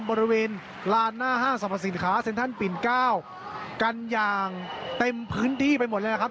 บริเวณลานหน้าห้างสรรพสินค้าเซ็นทรัลปินเก้ากันอย่างเต็มพื้นที่ไปหมดเลยครับ